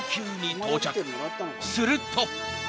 ［すると］